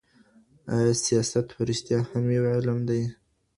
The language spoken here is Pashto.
ایا سیاست په رښتیا هم یو علم دی؟